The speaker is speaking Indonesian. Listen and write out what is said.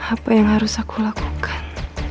apa yang harus aku lakukan